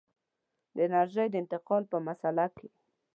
د انرژۍ د انتقال په مسأله کې.